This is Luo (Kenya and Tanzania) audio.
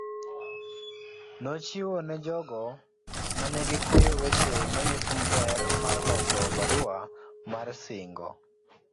Nochiwo ne jogo ma nigi kuyo weche manyiso ber mar loso barua mar singo.